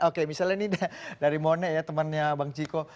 oke misalnya ini dari mone ya temannya bang ciko